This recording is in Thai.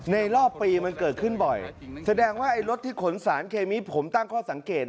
รอบปีมันเกิดขึ้นบ่อยแสดงว่าไอ้รถที่ขนสารเคมีผมตั้งข้อสังเกต